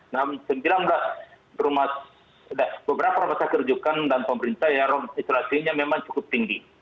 nah sembilan belas beberapa rumah sakit rujukan dan pemerintah yang isolasinya memang cukup tinggi